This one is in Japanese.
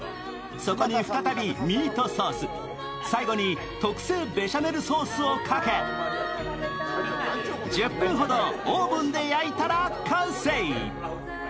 そこに再びミートソース最後に特製ベシャメルソースをかけ１０分ほどオーブンで焼いたら完成。